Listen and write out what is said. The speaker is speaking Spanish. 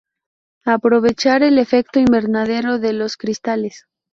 Aprovechar el efecto invernadero de los cristales.